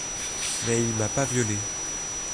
Mais il m’a pas violée…